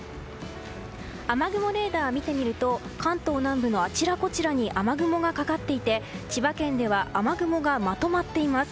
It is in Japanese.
雨雲レーダーを見てみると関東南部のあちらこちらに雨雲がかかっていて千葉県では雨雲がまとまっています。